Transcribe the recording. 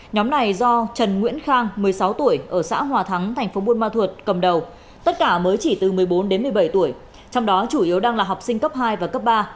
nhóm này do trần nguyễn khang một mươi sáu tuổi ở xã hòa thắng thành phố buôn ma thuột cầm đầu tất cả mới chỉ từ một mươi bốn đến một mươi bảy tuổi trong đó chủ yếu đang là học sinh cấp hai và cấp ba